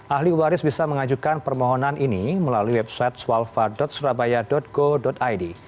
ahli waris bisa mengajukan permohonan ini melalui website swalfa surabaya go id